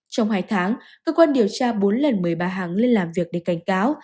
trong hai tháng cơ quan điều tra bốn lần mời bà hằng lên làm việc để cảnh cáo